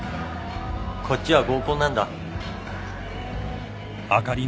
こっちは合コンなんだ。